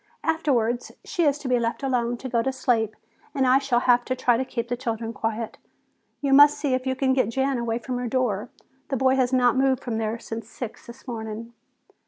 Afterwards she is to be left alone to go to sleep and I shall have to try to keep the children quiet. You must see if you can get Jan away from her door. The boy has not moved from there since six o'clock this morning."